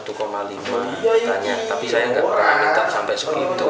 tanya tapi saya nggak pernah minta sampai segitu